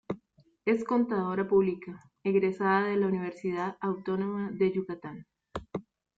Es contadora pública, egresada de la Universidad Autónoma de Yucatán.